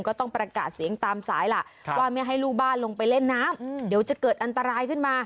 ก็ต้องประกาศเสียงตามสายล่ะว่าไม่ให้ลูกบ้านลงไปเล่นน้ำเดี๋ยวจะเกิดอันตรายขึ้นมา